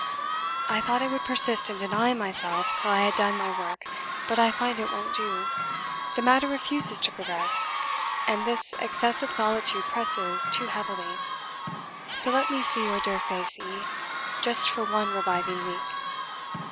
"I thought I would persist in denying myself till I had done my work, but I find it won't do; the matter refuses to progress, and this excessive solitude presses too heavily; so let me see your dear face, E., just for one reviving week."